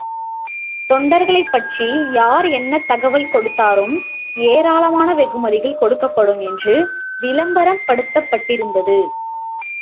தொண்டர்களைப்பற்றி யார் என்ன தகவல் கொடுத்தாலும் ஏராளமான வெகுமதிகள் கொடுக்கபடும் என்று விளம்பரப்படுத்தப்பட்டிருந்தது.